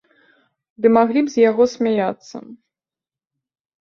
Ды маглі б з яго смяяцца.